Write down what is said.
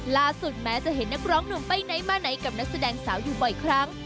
แม้จะเห็นนักร้องหนุ่มไปไหนมาไหนกับนักแสดงสาวอยู่บ่อยครั้ง